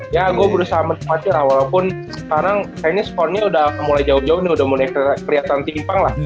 ya gue berusaha menikmati lah walaupun sekarang kayaknya sponnya udah mulai jauh jauh nih udah mulai kelihatan timpang lah